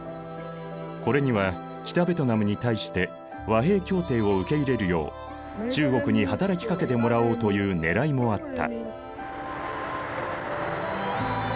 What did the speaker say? これには北ベトナムに対して和平協定を受け入れるよう中国に働きかけてもらおうというねらいもあった。